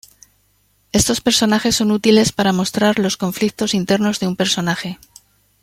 Estos personajes son útiles para mostrar los conflictos internos de un personaje.